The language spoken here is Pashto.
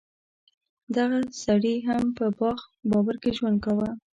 دغه سړي هم په باغ بابر کې ژوند کاوه.